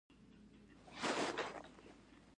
عقاب های هندوکش په لوړو کې لوبیږي.